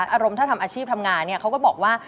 อารมณ์ถ้าทำอาชีพทำงานเนี่ยเขาก็บอกว่า